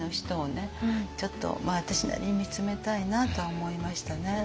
ちょっと私なりに見つめたいなと思いましたね。